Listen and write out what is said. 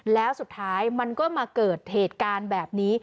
แล้วสุดท้ายมันก็มาเกิดเหตุการณ์แบบนี้